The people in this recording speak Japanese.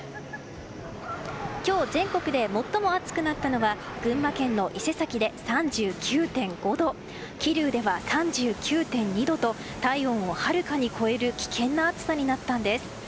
今日全国で最も暑くなったのは群馬県の伊勢崎で３９．５度桐生では３９．２度と体温をはるかに超える危険な暑さになったんです。